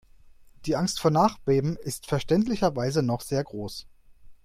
Die Angst vor Nachbeben ist verständlicherweise noch sehr groß.